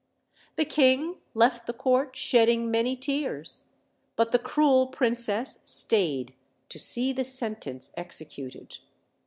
The king left the court shedding many tears; but the cruel princess stayed to see the sentence executed.